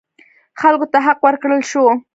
خلکو ته حق ورکړل شو.